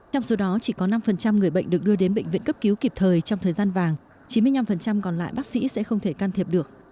trong số đó chỉ có năm người bệnh được đưa đến bệnh viện cấp cứu kịp thời trong thời gian vàng chín mươi năm còn lại bác sĩ sẽ không thể can thiệp được